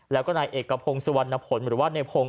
แล้วก็นายเอกกระพงสวรรณพลหรือว่านายพง